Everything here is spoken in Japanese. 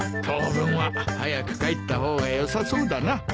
当分は早く帰った方がよさそうだな。